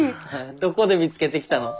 どこで見つけてきたの？